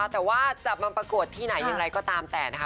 แต่ว่าจะมาประกวดที่ไหนอย่างไรก็ตามแต่นะคะ